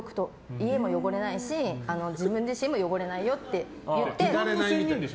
家も汚れないし自分自身も汚れないよって。